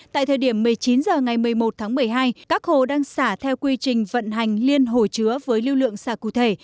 tại thời điểm một mươi chín h ngày một mươi một tháng một mươi hai các hồ đang xả theo quy trình vận hành liên hồ chứa với lưu lượng xả cụ thể